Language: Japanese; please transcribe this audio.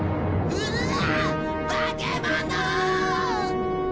うわ！